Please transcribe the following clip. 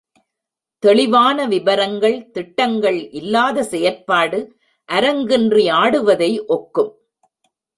தெளிவான விபரங்கள், திட்டங்கள் இல்லாத செயற்பாடு அரங்கின்றி ஆடுவதை ஒக்கும்.